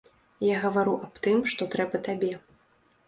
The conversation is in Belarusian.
Я гавару аб тым, што трэба табе.